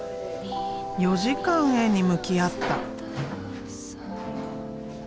４時間絵に向き合った。